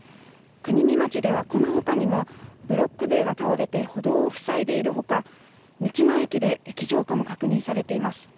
国見町では、このほかにもブロック塀が倒れて歩道をふさいでいるほか道の駅で液状化も確認されています。